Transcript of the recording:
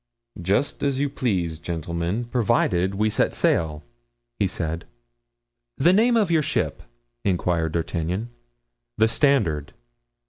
"Just as you please, gentlemen, provided we set sail," he said. "The name of your ship?" inquired D'Artagnan. "The Standard."